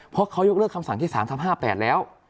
เพราะเขายกเลิกคำสั่งที่๓ทับ๕๘แล้ว